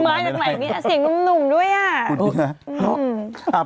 มาทางไหนนี่เสียงหนุ่มด้วย